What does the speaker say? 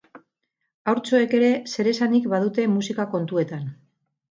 Haurtxoek ere zer esanik badute musika kontuetan.